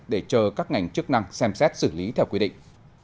để chờ các ngành chức năng xem xét xử lý theo quy định